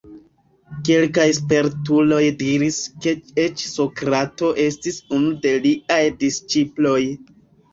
Kelkaj spertuloj diris ke eĉ Sokrato estis unu de liaj disĉiploj.